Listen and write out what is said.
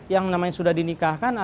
yang namanya sudah dinikahkan